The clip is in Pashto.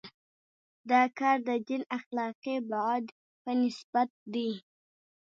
دا کار د دین اخلاقي بعد په نسبت دی.